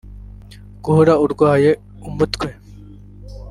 guhora urwaye umutwe